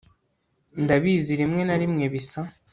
Ndabizi rimwe na rimwe bisa